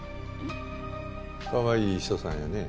かわいい秘書さんやね。